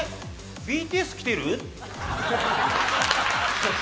ＢＴＳ来てる？